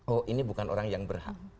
oh ini bukan orang yang berhak